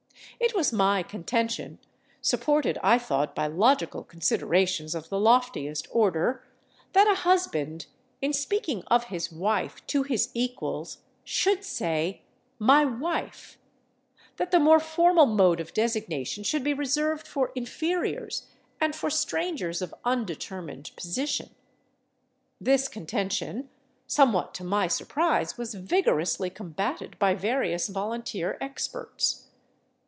It was my contention—supported, I thought, by logical considerations of the loftiest order—that a husband, in speaking of his wife to his equals, should say "my wife"—that the more formal mode of designation should be reserved for inferiors and for strangers of undetermined position. This contention, somewhat to my surprise, was vigorously combated by various volunteer experts.